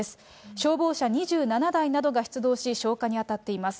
消防車が出動し、消火に当たっています。